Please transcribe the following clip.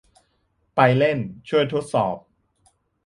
ไปเล่น - ช่วยทดสอบ